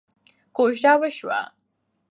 کوژده وشوه.